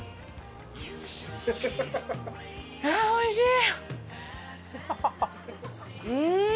おいしい。